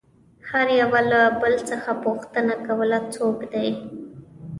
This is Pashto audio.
هر يوه له بل څخه پوښتنه كوله څوك دى؟